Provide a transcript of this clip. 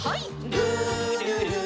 「るるる」